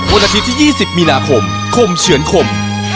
วันอาทิตย์ที่๒๐มีนาคมคมเฉือนคม